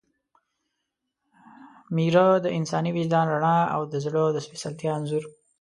میره – د انساني وجدان رڼا او د زړه د سپېڅلتیا انځور